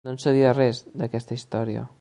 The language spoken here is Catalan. No en sabia res, d'aquesta història.